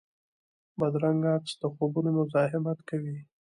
بدرنګه عکس د خوبونو مزاحمت کوي